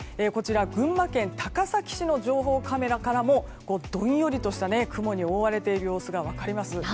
群馬県高崎市の情報カメラからもどんよりとした雲に覆われている様子が分かります。